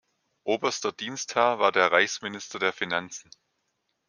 Oberster Dienstherr war der "Reichsminister der Finanzen".